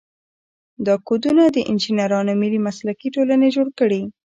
دا کودونه د انجینرانو ملي مسلکي ټولنې جوړ کړي.